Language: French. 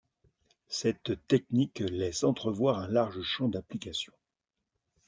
Cette technique laisse entrevoir un large champ d’applications.